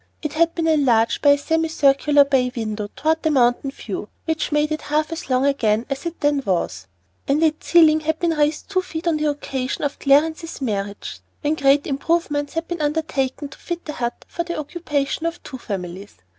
It had been enlarged by a semi circular bay window toward the mountain view, which made it half as long again as it then was; and its ceiling had been raised two feet on the occasion of Clarence's marriage, when great improvements had been undertaken to fit the "hut" for the occupation of two families.